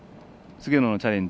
菅野のチャレンジ